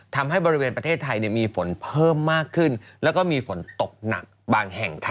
ทำให้บริเวณประเทศไทยมีฝนเพิ่มมากขึ้นแล้วก็มีฝนตกหนักบางแห่งค่ะ